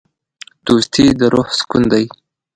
دوستي د روح سکون دی.